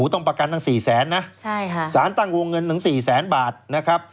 ต้องประกันทั้งสี่แสนนะใช่ค่ะสารตั้งวงเงินถึงสี่แสนบาทนะครับ